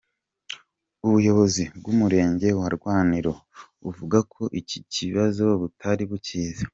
Ubuyobozi bw’umurenge wa Rwaniro buvuga ko iki kibazo butari bukizi.